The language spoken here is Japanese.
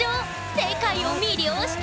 世界を魅了した！